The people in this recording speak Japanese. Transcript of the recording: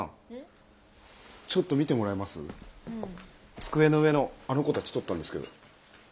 机の上のあの子たち撮ったんですけど。